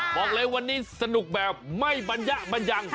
บอกเลยวันนี้สนุกแบบไม่บรรยะบัญญัง